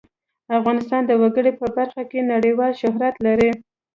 افغانستان د وګړي په برخه کې نړیوال شهرت لري.